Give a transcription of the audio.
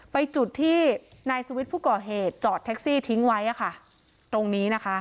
จุดที่นายสวิทย์ผู้ก่อเหตุจอดแท็กซี่ทิ้งไว้ตรงนี้นะคะ